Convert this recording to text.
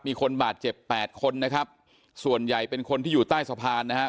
มีคนบาดเจ็บแปดคนนะครับส่วนใหญ่เป็นคนที่อยู่ใต้สะพานนะครับ